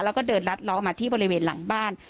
แล้วก็เดินรัดล้อมาที่บริเวณหลังบ้าน